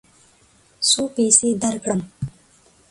څو پیسې درکړم؟